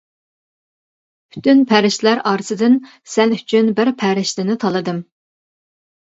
پۈتۈن پەرىشتىلەر ئارىسىدىن سەن ئۈچۈن بىر پەرىشتىنى تاللىدىم.